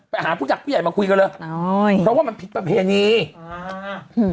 ไปหาผู้หญักผู้ใหญ่มาคุยกันเลยเพราะว่ามันผิดประเพณีอ่า